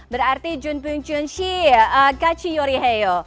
berarti jun pyung chun si kaciyori heo